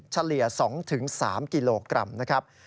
เฉลี่ย๒๓กิโลกรัมนะครับ